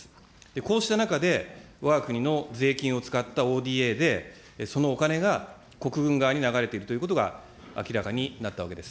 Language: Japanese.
こうした中で、わが国の税金を使ったＯＤＡでそのお金が国軍側に流れているということが明らかになったわけです。